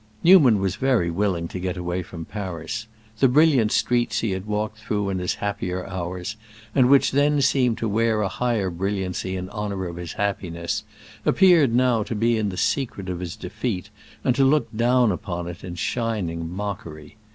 Newman was very willing to get away from Paris; the brilliant streets he had walked through in his happier hours, and which then seemed to wear a higher brilliancy in honor of his happiness, appeared now to be in the secret of his defeat and to look down upon it in shining mockery.